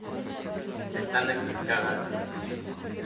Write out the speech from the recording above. Están explicadas por sí mismas.